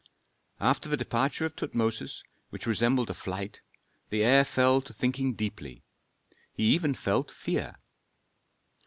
After the departure of Tutmosis, which resembled a flight, the heir fell to thinking deeply; he even felt fear.